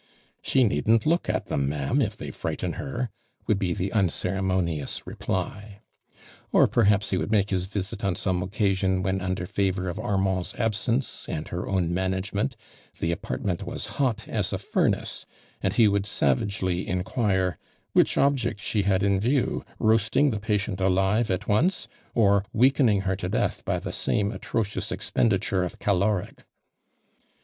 "She needn't look at them, ma'am, if '\ J ,/^ ARMAND DURAND. 73 I %; 1 Irl lit r' if they frighten her," would be the uncere monious reply. Or, perhaps he would make his viHit on some occasion when imder favor of Ar mand's absence and hei own nianagemont the apartment was hot as a fuinace, and he would savagely inquire: "Which object she had in view— roasting the patient alive at once or weakening lier to death by the i ame atrocious expenditure of caloric."